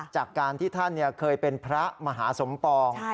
จากการที่ท่านเคยเป็นพระมหาสมปอง